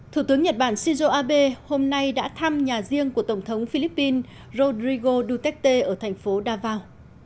thủ tướng nhật bản shinzo abe hôm nay đã thăm nhà riêng của tổng thống philippines rodrigo duterte ở thành phố davao